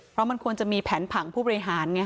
เพราะมันควรจะมีแผนผังผู้บริหารไง